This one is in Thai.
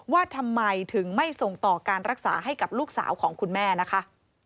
ว่าทำไมถึงไม่ส่งต่อการรักษาให้กับลูกสาวของคุณแม่นะคะ